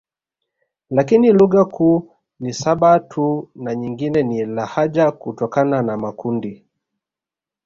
Lakini lugha kuu ni saba tu na nyingine ni lahaja kutokana na makundi